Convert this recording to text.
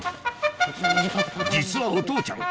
実はお父ちゃん